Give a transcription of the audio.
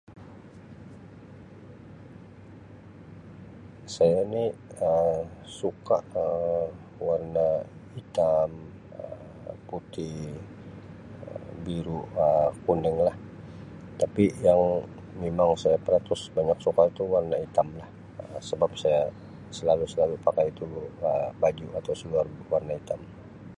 Saya ni Um suka Um warna hitam, Um putih, Um biru, Um kuninglah tapi yang memang saya peratus banyak suka itu warna hitam lah Um sebab saya selalu-selalu pakai itu Um baju atau seluar warna hitam.